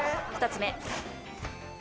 ２つ目。